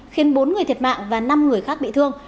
khiến bốn người thiệt mạng và năm người khác bị thương